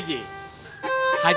haji sulam itu